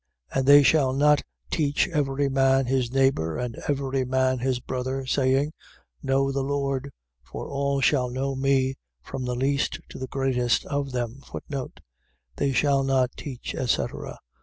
8:11. And they shall not teach every man his neighbour and every man his brother, saying: Know the Lord. For all shall know me, from the least to the greatest of them. They shall not teach, etc. ..